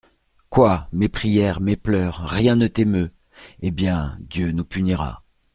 Quoi ! mes prières, mes pleurs, rien ne t'émeut ! Eh bien ! Dieu nous punira.